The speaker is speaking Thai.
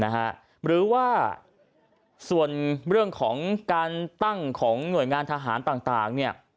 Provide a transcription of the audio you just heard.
หรือว่าส่วนเรื่องของการตั้งของหน่วยงานทหารต่างเนี่ย